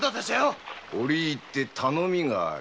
折り入って頼みがある。